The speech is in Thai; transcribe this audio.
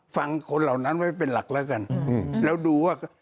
ฟังคนเหล่านั้นไว้เป็นหลักแล้วกันแล้วดูว่า